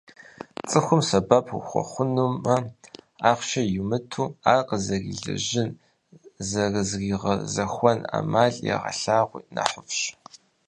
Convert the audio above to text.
Цӏыхум сэбэп ухуэхъунумэ, ахъшэ йумыту, ар къызэрилэжьын, зэрызригъэзэхуэн ӏэмал егъэлъагъуи нэхъыфӏщ.